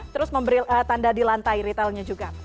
terus memberi tanda di lantai retailnya juga